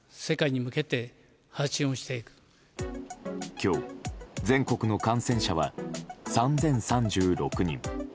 今日、全国の感染者は３０３６人。